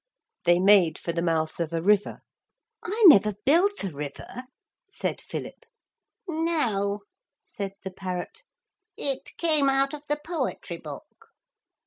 They made for the mouth of a river. ('I never built a river,' said Philip. 'No,' said the parrot, 'it came out of the poetry book.')